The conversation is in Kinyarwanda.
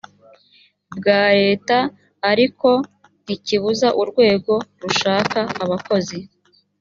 bwa leta ariko ntikibuza urwego rushaka abakozi